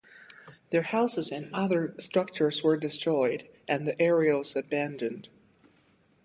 Their houses and other structures were destroyed and the area was abandoned.